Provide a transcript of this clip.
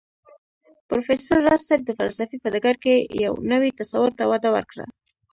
پروفېسر راز صيب د فلسفې په ډګر کې يو نوي تصور ته وده ورکړه